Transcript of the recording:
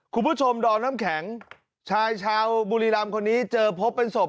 คุณผู้ชมดอมน้ำแข็งชายชาวบุรีรำคนนี้เจอพบเป็นศพ